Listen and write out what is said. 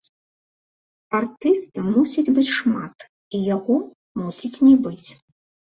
Артыста мусіць быць шмат, і яго мусіць не быць.